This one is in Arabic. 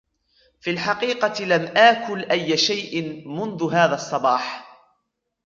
في الحقيقة لم آكل أي شيء منذ هذا الصباح.